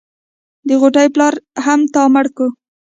د غوټۍ پلار هم تا مړ کو.